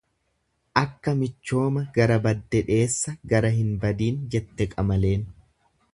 Akka michooma gara badde dheessa gara hin badiin, jette qamaleen.